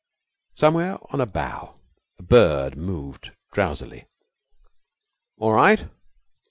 Somewhere on a bough a bird moved drowsily 'All right?'